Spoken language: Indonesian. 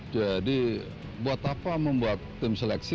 jadi buat apa membuat tim seleksi